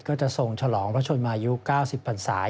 ก็จะทรงฉลองพระชนมายุ๙๐พันศา